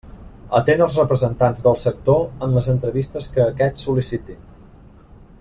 Atén els representants del sector en les entrevistes que aquests sol·licitin.